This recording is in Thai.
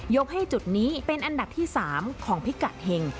ให้จุดนี้เป็นอันดับที่๓ของพิกัดเห็ง